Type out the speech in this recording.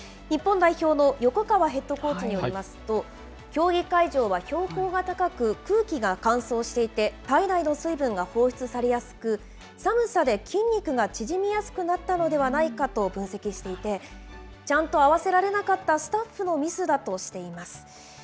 日本代表の横川ヘッドコーチによりますと、競技会場は標高が高く、空気が乾燥していて、体内の水分が放出されやすく、寒さで筋肉が縮みやすくなったのではないかと分析していて、ちゃんと合わせられなかったスタッフのミスだとしています。